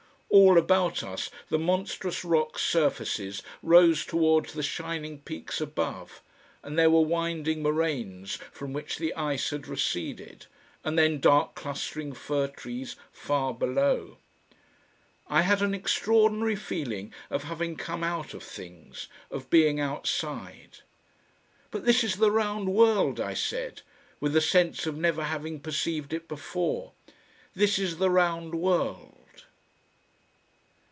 All about us the monstrous rock surfaces rose towards the shining peaks above, and there were winding moraines from which the ice had receded, and then dark clustering fir trees far below. I had an extraordinary feeling of having come out of things, of being outside. "But this is the round world!" I said, with a sense of never having perceived it before; "this is the round world!"